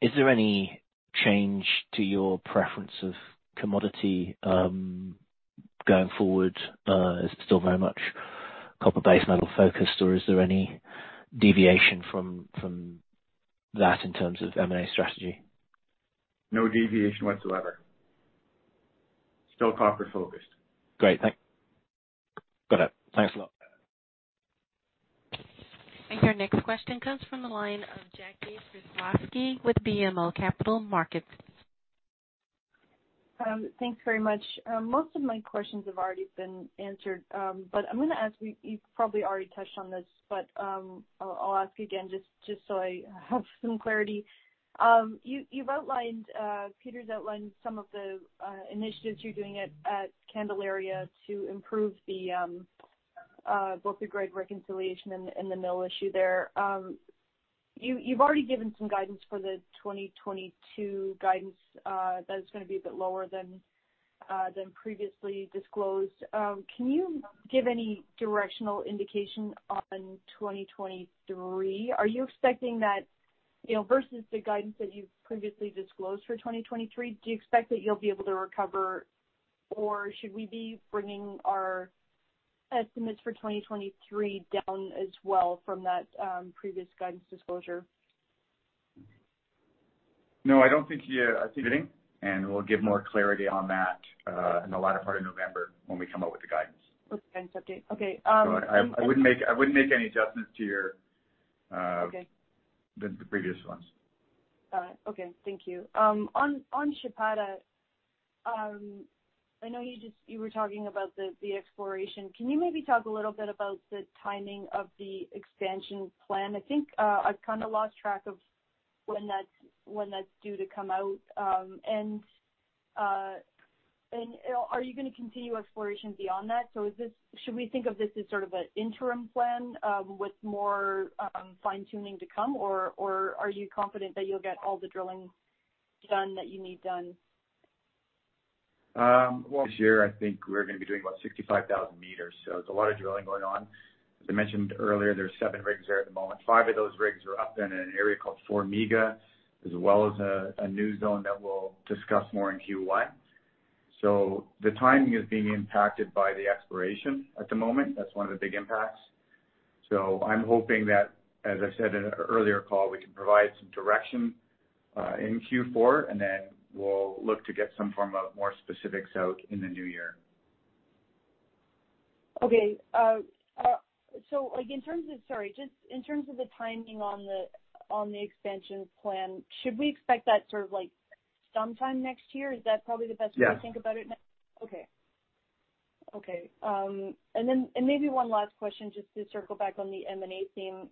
J: is there any change to your preference of commodity, going forward? Is it still very much copper-based metal focused, or is there any deviation from that in terms of M&A strategy?
C: No deviation whatsoever. Still copper-focused.
J: Great. Got it. Thanks a lot.
A: Your next question comes from the line of Jackie Przybylowski with BMO Capital Markets.
K: Thanks very much. Most of my questions have already been answered, but I'm gonna ask, you've probably already touched on this, but, I'll ask you again just so I have some clarity. You've outlined, Peter's outlined some of the initiatives you're doing at Candelaria to improve both the grade reconciliation and the mill issue there. You've already given some guidance for the 2022 guidance that is gonna be a bit lower than previously disclosed. Can you give any directional indication on 2023? Are you expecting that, you know, versus the guidance that you've previously disclosed for 2023, do you expect that you'll be able to recover? Or should we be bringing our estimates for 2023 down as well from that previous guidance disclosure?
C: No, I don't think you are.
K: Okay.
C: We'll give more clarity on that in the latter part of November when we come out with the guidance.
K: With the guidance update. Okay,
C: I wouldn't make any adjustments to your
K: Okay
C: the previous ones.
K: Got it. Okay. Thank you. On Chapada, I know you were talking about the exploration. Can you maybe talk a little bit about the timing of the expansion plan? I think I've kinda lost track of when that's due to come out. Are you gonna continue exploration beyond that? Should we think of this as sort of an interim plan with more fine-tuning to come? Or are you confident that you'll get all the drilling done that you need done?
C: Well, this year I think we're gonna be doing about 65,000 meters, so there's a lot of drilling going on. As I mentioned earlier, there's seven rigs there at the moment. Five of those rigs are up in an area called Formiga, as well as a new zone that we'll discuss more in Q1. The timing is being impacted by the exploration at the moment. That's one of the big impacts. I'm hoping that, as I said in an earlier call, we can provide some direction in Q4, and then we'll look to get some form of more specifics out in the new year.
K: Okay. Sorry, just in terms of the timing on the expansion plan, should we expect that sort of, like, sometime next year? Is that probably the best way-
C: Yeah
K: to think about it? Okay. Maybe one last question just to circle back on the M&A theme.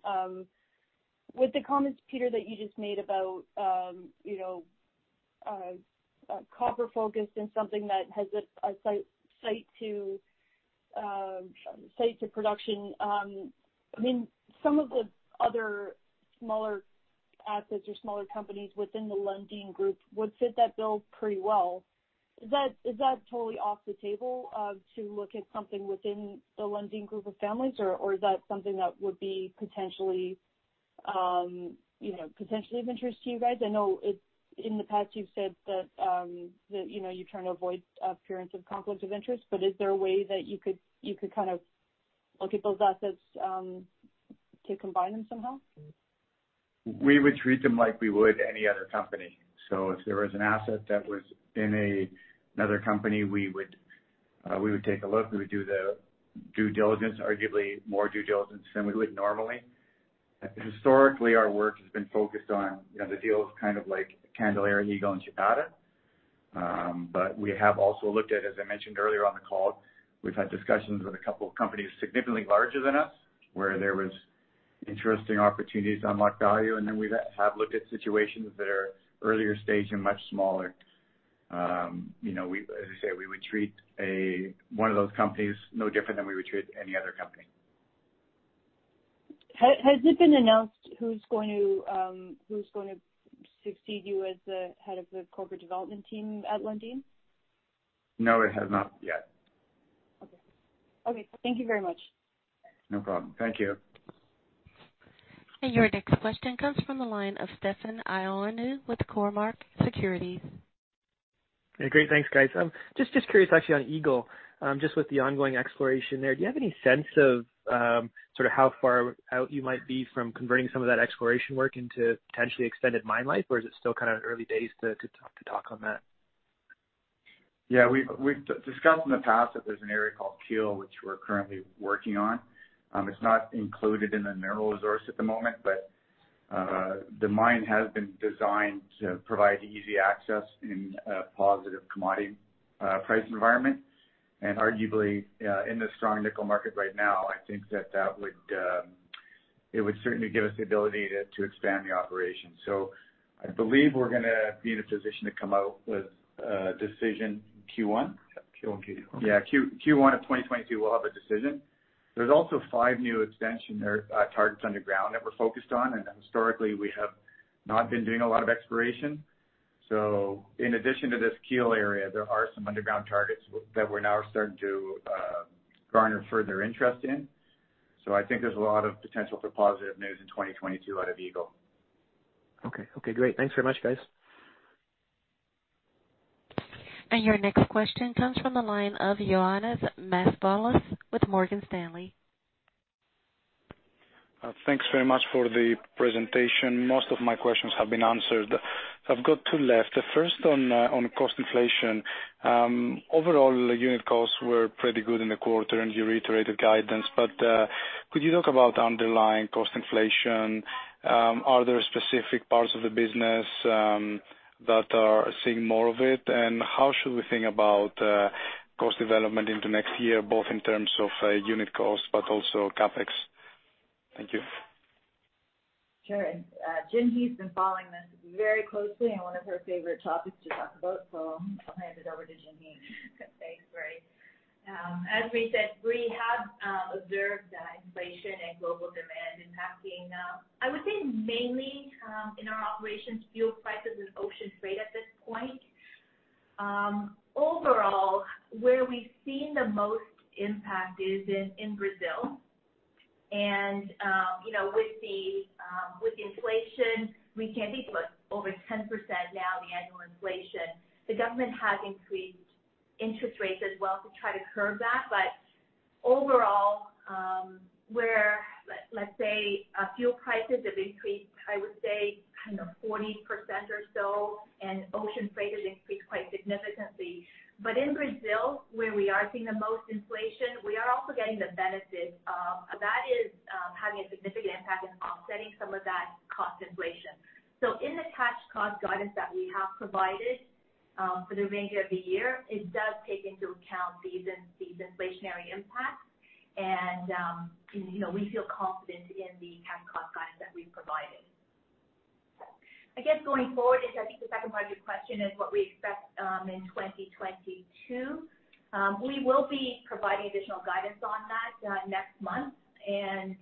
K: With the comments, Peter, that you just made about copper focused and something that has a site to production, I mean, some of the other smaller assets or smaller companies within the Lundin Group would fit that bill pretty well. Is that totally off the table to look at something within the Lundin Group of Companies? Or is that something that would be potentially of interest to you guys? I know that in the past you've said that you're trying to avoid appearance of conflict of interest. Is there a way that you could kind of look at those assets to combine them somehow?
C: We would treat them like we would any other company. If there was an asset that was in another company, we would take a look. We would do the due diligence, arguably more due diligence than we would normally. Historically, our work has been focused on, you know, the deals kind of like Candelaria, Eagle, and Chapada. We have also looked at, as I mentioned earlier on the call, we've had discussions with a couple of companies significantly larger than us, where there was interesting opportunities to unlock value. We have looked at situations that are earlier stage and much smaller. You know, as I say, we would treat one of those companies no different than we would treat any other company.
K: Has it been announced who's going to succeed you as the head of the corporate development team at Lundin?
C: No, it has not yet.
K: Okay, thank you very much.
C: No problem. Thank you.
A: Your next question comes from the line of Stefan Ioannou with Cormark Securities.
L: Yeah. Great. Thanks, guys. Just curious actually on Eagle, just with the ongoing exploration there, do you have any sense of sort of how far out you might be from converting some of that exploration work into potentially extended mine life? Or is it still kind of early days to talk on that?
C: Yeah. We've discussed in the past that there's an area called Keel, which we're currently working on. It's not included in the mineral resource at the moment, but the mine has been designed to provide easy access in a positive commodity price environment. Arguably, in the strong nickel market right now, I think that it would certainly give us the ability to expand the operation. I believe we're gonna be in a position to come out with a decision Q1. Q1, Q2. Q1 of 2022, we'll have a decision. There's also five new expansion targets underground that we're focused on, and historically we have not been doing a lot of exploration. In addition to this keel zone, there are some underground targets that we're now starting to garner further interest in. I think there's a lot of potential for positive news in 2022 out of Eagle.
L: Okay. Okay, great. Thanks very much, guys.
A: Your next question comes from the line of Ioannis Masvoulas with Morgan Stanley.
M: Thanks very much for the presentation. Most of my questions have been answered. I've got two left, the first on cost inflation. Overall unit costs were pretty good in the quarter, and you reiterated guidance, but could you talk about underlying cost inflation? Are there specific parts of the business that are seeing more of it? How should we think about cost development into next year, both in terms of unit costs, but also CapEx? Thank you.
B: Sure. Jinhee's been following this very closely and one of her favorite topics to talk about, so I'll hand it over to Jinhee.
D: As we said, we have observed the inflation and global demand impacting, I would say mainly, in our operations, fuel prices and ocean freight at this point. Overall, where we've seen the most impact is in Brazil. You know, with inflation, it's now over 10%, the annual inflation. The government has increased interest rates as well to try to curb that. Overall, fuel prices have increased, I would say, kind of 40% or so and ocean freight has increased quite significantly. In Brazil, where we are seeing the most inflation, we are also getting the benefit of that is having a significant impact in offsetting some of that cost inflation. In the cash cost guidance that we have provided, for the remainder of the year, it does take into account these inflationary impacts. You know, we feel confident in the cash cost guidance that we've provided. I guess going forward is, I think the second part of your question is what we expect in 2022. We will be providing additional guidance on that, next month and,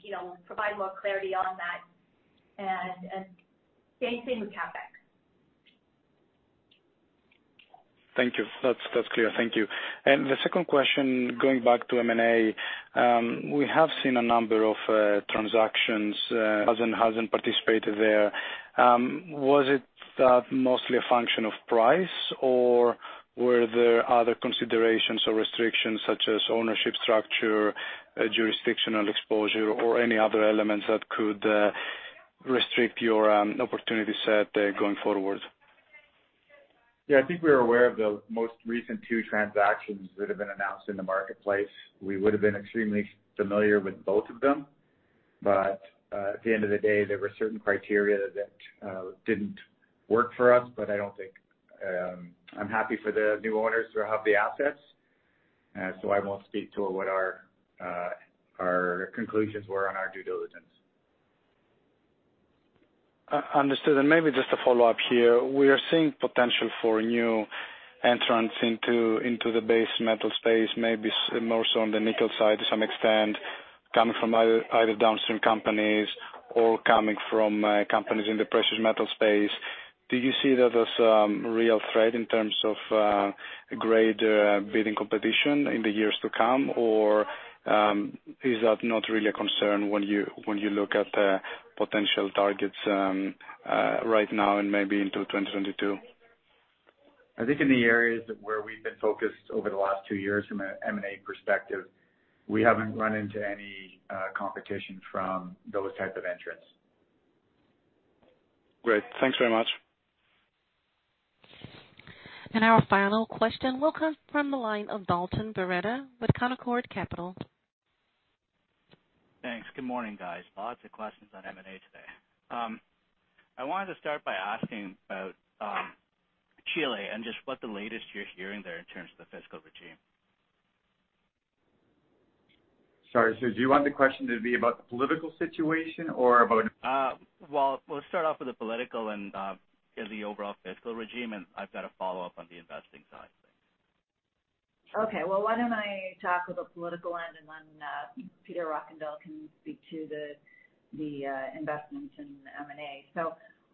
D: you know, provide more clarity on that and same thing with CapEx.
M: Thank you. That's clear. Thank you. The second question, going back to M&A, we have seen a number of transactions, Hudbay participated there. Was it mostly a function of price or were there other considerations or restrictions such as ownership structure, jurisdictional exposure, or any other elements that could restrict your opportunity set going forward?
C: Yeah, I think we are aware of the most recent two transactions that have been announced in the marketplace. We would have been extremely familiar with both of them, but at the end of the day, there were certain criteria that didn't work for us. I don't think I'm happy for the new owners who have the assets. I won't speak to what our conclusions were on our due diligence.
M: Understood. Maybe just a follow-up here. We are seeing potential for new entrants into the base metal space, maybe some more so on the nickel side to some extent, coming from either downstream companies or coming from companies in the precious metal space. Do you see that as a real threat in terms of greater bidding competition in the years to come? Or is that not really a concern when you look at the potential targets right now and maybe into 2022?
C: I think in the areas where we've been focused over the last two years from an M&A perspective, we haven't run into any, competition from those type of entrants.
M: Great. Thanks very much.
A: Our final question will come from the line of Dalton Baretto with Canaccord Genuity.
N: Thanks. Good morning, guys. Lots of questions on M&A today. I wanted to start by asking about Chile and just what the latest you're hearing there in terms of the fiscal regime.
C: Sorry, do you want the question to be about the political situation or about?
N: Well, let's start off with the political and the overall fiscal regime, and I've got a follow-up on the investing side.
B: Okay. Well, why don't I talk about political end and then Peter Rockandel can speak to the investment in M&A.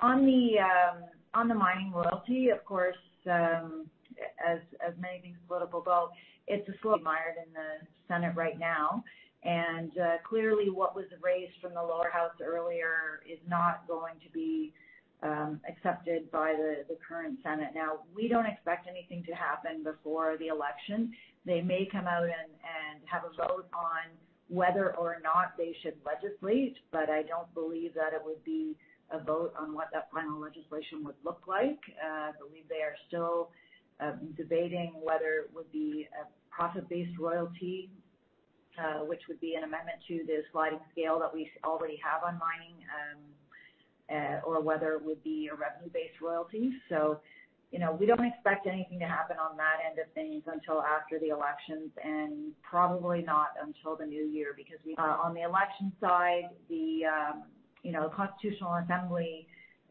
B: On the mining royalty, of course, as many things political go, it's mired in the Senate right now. Clearly what was raised from the lower house earlier is not going to be accepted by the current Senate. Now, we don't expect anything to happen before the election. They may come out and have a vote on whether or not they should legislate, but I don't believe that it would be a vote on what that final legislation would look like. I believe they are still debating whether it would be a profit-based royalty, which would be an amendment to the sliding scale that we already have on mining, or whether it would be a revenue-based royalty. You know, we don't expect anything to happen on that end of things until after the elections and probably not until the new year because we are on the election side. The constitutional assembly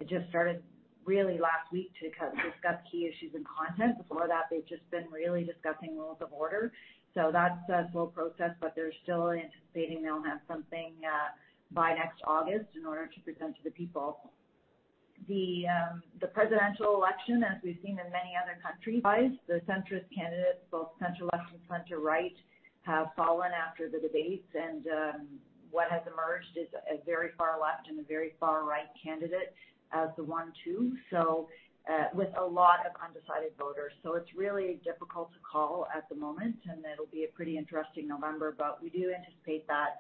B: just started really last week to discuss key issues and content. Before that, they've just been really discussing rules of order. That's a slow process, but they're still anticipating they'll have something by next August in order to present to the people. The presidential election, as we've seen in many other countries, the centrist candidates, both center-left and center-right, have fallen after the debates. What has emerged is a very far left and a very far right candidate as the one-two. With a lot of undecided voters. It's really difficult to call at the moment, and it'll be a pretty interesting November. We do anticipate that,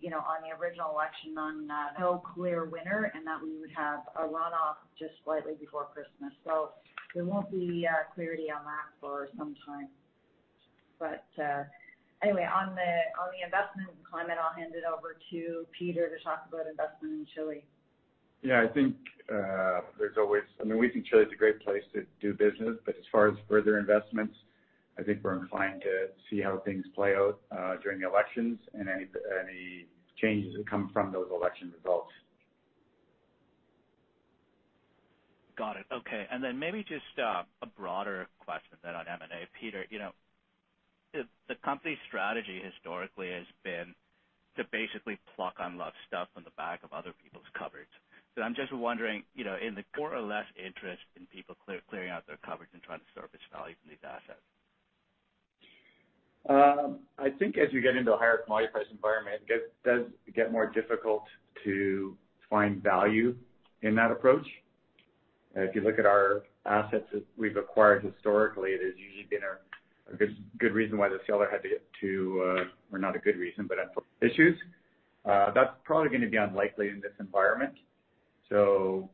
B: you know, on the original election, no clear winner and that we would have a runoff just slightly before Christmas. There won't be clarity on that for some time. Anyway, on the investment climate, I'll hand it over to Peter to talk about investment in Chile.
C: Yeah, I think there's always. I mean, we think Chile is a great place to do business, but as far as further investments, I think we're inclined to see how things play out during the elections and any changes that come from those election results.
N: Got it. Okay. Maybe just a broader question on M&A. Peter, you know, the company's strategy historically has been to basically pluck unloved stuff from the back of other people's cupboards. I'm just wondering, you know, is there more or less interest in people clearing out their cupboards and trying to surface value from these assets.
C: I think as we get into a higher commodity price environment, it does get more difficult to find value in that approach. If you look at our assets that we've acquired historically, there's usually been a good reason why the seller had to, or not a good reason, but had issues. That's probably gonna be unlikely in this environment. So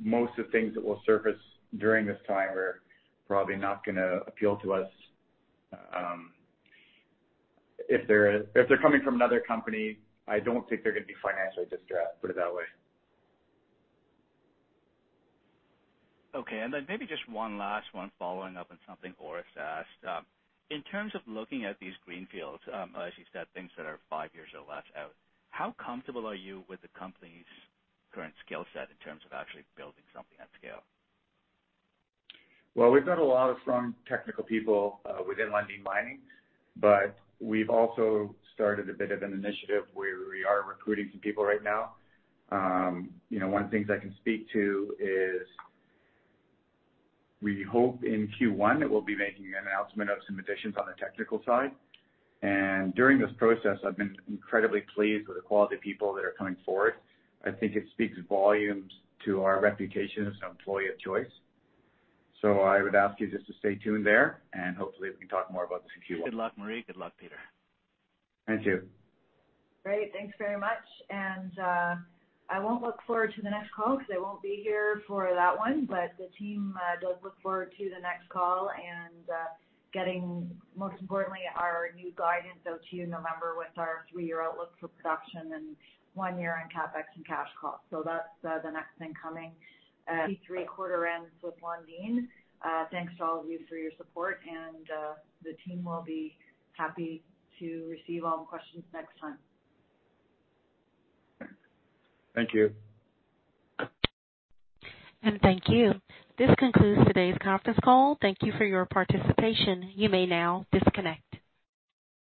C: most of the things that will surface during this time are probably not gonna appeal to us. If they're coming from another company, I don't think they're gonna be financially distressed, put it that way.
N: Okay. Maybe just one last one following up on something Orest asked. In terms of looking at these greenfields, as you said, things that are five years or less out, how comfortable are you with the company's current skill set in terms of actually building something at scale?
C: Well, we've got a lot of strong technical people within Lundin Mining, but we've also started a bit of an initiative where we are recruiting some people right now. You know, one of the things I can speak to is we hope in Q1 that we'll be making an announcement of some additions on the technical side. During this process, I've been incredibly pleased with the quality of people that are coming forward. I think it speaks volumes to our reputation as an employer of choice. I would ask you just to stay tuned there, and hopefully we can talk more about this in Q1.
N: Good luck, Marie. Good luck, Peter.
C: Thank you.
B: Great. Thanks very much. I won't look forward to the next call because I won't be here for that one. The team does look forward to the next call and getting, most importantly, our new guidance out to you in November with our three-year outlook for production and one year on CapEx and cash costs. That's the next thing coming, Q3 quarter ends with Lundin. Thanks to all of you for your support, and the team will be happy to receive all the questions next time.
C: Thank you.
A: Thank you. This concludes today's conference call. Thank you for your participation. You may now disconnect.